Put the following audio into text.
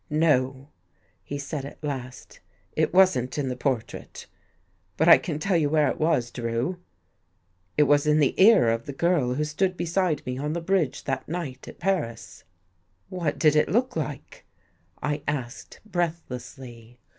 " No," he said at last. " It wasn't in the por trait. But I can tell you where it was. Drew. It was in the ear of the girl who stood beside me on the bridge that night at Paris." " What did it look like? " I asked breathlessly.